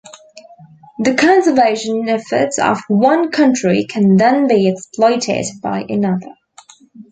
The conservation efforts of one country can then be exploited by another.